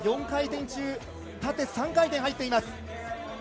４回転中、縦３回転入っています。